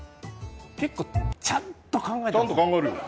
結構ちゃんと考えるよ。